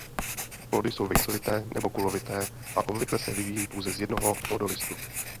Plody jsou vejcovité nebo kulovité a obvykle se vyvíjejí pouze z jednoho plodolistu.